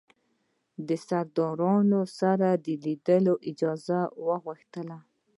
د سردارانو سره د لیدلو اجازه وغوښتل.